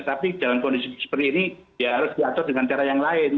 tapi dalam kondisi seperti ini ya harus diatur dengan cara yang lain